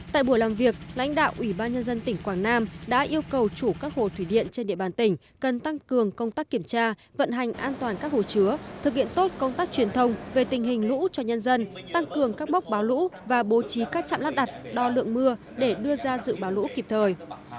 tại buổi làm việc lãnh đạo ủy ban nhân dân tỉnh quảng nam đã yêu cầu chủ các hồ thủy điện trên địa bàn tỉnh cần tăng cường công tác kiểm tra vận hành an toàn các hồ chứa thực hiện tốt công tác truyền thông về tình hình lũ cho nhân dân tăng cường các mốc báo lũ và bố trí các trạm lắp đặt đo lượng mưa để đưa ra dự báo lũ kịp thời